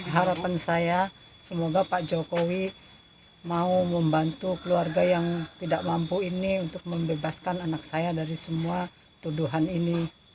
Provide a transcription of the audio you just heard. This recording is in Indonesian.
harapan saya semoga pak jokowi mau membantu keluarga yang tidak mampu ini untuk membebaskan anak saya dari semua tuduhan ini